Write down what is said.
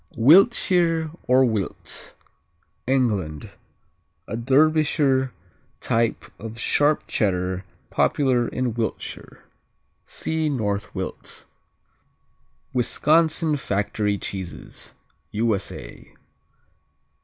Wiltshire or Wilts England A Derbyshire type of sharp Cheddar popular in Wiltshire. (See North Wilts.) Wisconsin Factory Cheeses _U.S.A.